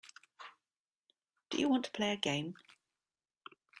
Do you want to play a game.